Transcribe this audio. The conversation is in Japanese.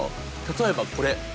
例えばこれ！